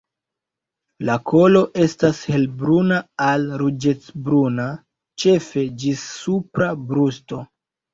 La kolo estas helbruna al ruĝecbruna ĉefe ĝis supra brusto.